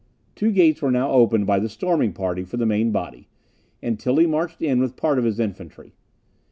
Two gates were now opened by the storming party for the main body, and Tilly marched in with part of his infantry.